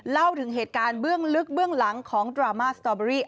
เล่าถึงเหตุการณ์เบื้องลึกเบื้องหลังของดราม่าสตอเบอรี่